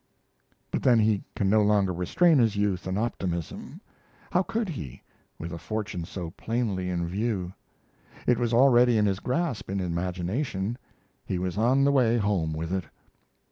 But then he can no longer restrain his youth and optimism. How could he, with a fortune so plainly in view? It was already in his grasp in imagination; he was on the way home with it.